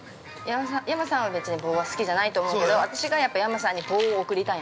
◆山さんは別に、棒は好きじゃないと思うけど、私が山さんに棒を贈りたいの。